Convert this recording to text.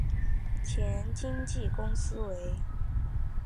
前经纪公司为。